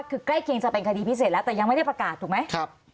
คือใกล้เคียงจะเป็นคดีพิเศษแล้วแต่ยังไม่ได้ประกาศถูกไหม